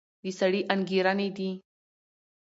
د سړي انګېرنې دي.